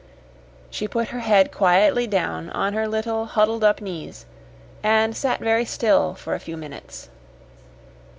She put her head quietly down on her little, huddled up knees, and sat very still for a few minutes.